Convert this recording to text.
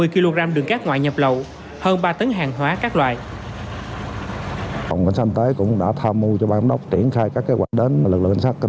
một mươi sáu bốn trăm hai mươi kg đường cát ngoại nhập lậu hơn ba tấn hàng hóa các loại